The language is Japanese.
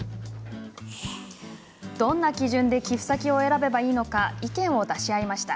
どんな基準で寄付先を選べばいいのか意見を出し合いました。